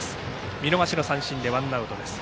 見逃し三振でワンアウトです。